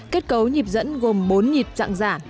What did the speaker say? kết cấu nhịp dẫn gồm bốn nhịp dạng giả